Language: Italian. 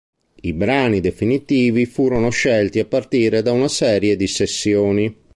I brani definitivi furono scelti a partire da una serie di sessioni.